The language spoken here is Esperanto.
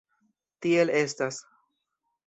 Tiel estas.